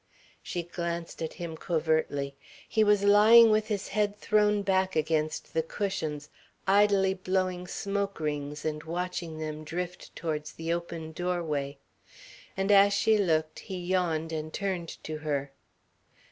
She glanced at him covertly. He was lying with his head thrown back against the cushions, idly blowing smoke rings and watching them drift towards the open door way. And as she looked he yawned and turned to her.